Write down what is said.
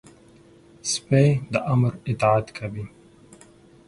سپي د امر اطاعت کوي.